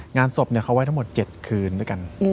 งานศพเขาไว้ทั้งหมด๗คืนด้วยกัน